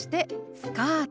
「スカート」。